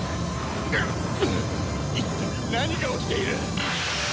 一体何が起きている！？